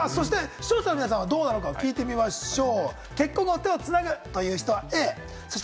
視聴者の皆さんはどうなのか聞いてみましょう。